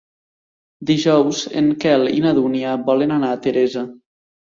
Dijous en Quel i na Dúnia volen anar a Teresa.